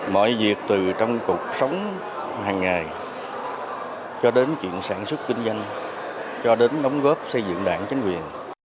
mọi việc từ trong cuộc sống hàng ngày cho đến chuyện sản xuất kinh doanh cho đến đóng góp xây dựng đảng chính quyền